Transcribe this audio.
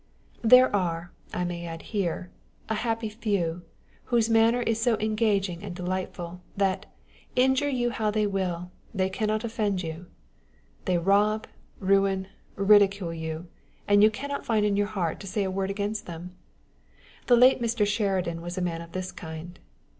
There are (I may add here) a happy few, whose manner is so engaging and delightful, that, injure you how they will, they cannot offend you. They rob, ruin, ridicule you, and you cannot find in your heart to say a word against them. The late Mr. Sheridan was a man of this kind.